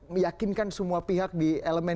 meyakinkan semua pihak di elemen